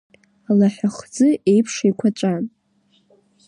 Алаҳәахӡы еиԥш еиқәаҵәан.